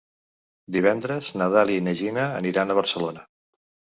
Divendres na Dàlia i na Gina aniran a Barcelona.